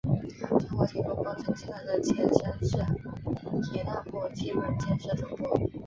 中国铁路工程集团的前身是铁道部基本建设总局。